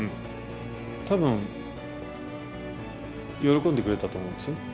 たぶん、喜んでくれてたと思うんですね。